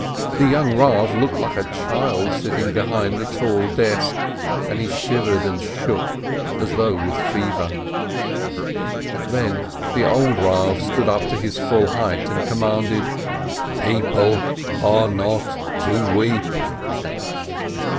The young Eav looked like a child sitting behind the tall desk, and he shivered and shook as though with fever. Then the old Eav stood up to his full height and commanded : "People are not to weep